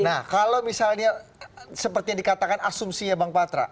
nah kalau misalnya seperti yang dikatakan asumsinya bang patra